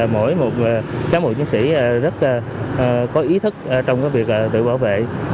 mỗi một cán bộ chiến sĩ rất có ý thức trong việc tự bảo vệ